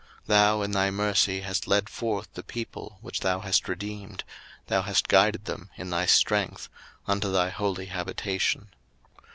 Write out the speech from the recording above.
02:015:013 Thou in thy mercy hast led forth the people which thou hast redeemed: thou hast guided them in thy strength unto thy holy habitation.